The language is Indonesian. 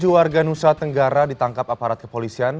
tiga puluh tujuh warga nusa tenggara ditangkap aparat kepolisian